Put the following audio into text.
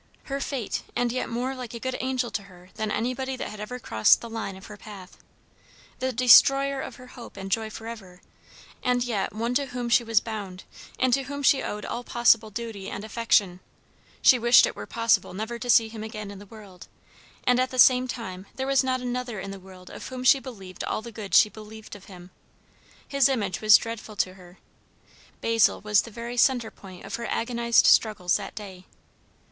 Her fate, and yet more like a good angel to her than anybody that had ever crossed the line of her path; the destroyer of her hope and joy for ever, and yet one to whom she was bound, and to whom she owed all possible duty and affection; she wished it were possible never to see him again in the world, and at the same time there was not another in the world of whom she believed all the good she believed of him. His image was dreadful to her. Basil was the very centre point of her agonized struggles that day.